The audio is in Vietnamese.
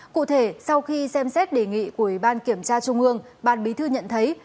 cụ thể sau khi xem xét đề nghị của ủy ban kiểm tra trung ương ban bí thư nhận thấy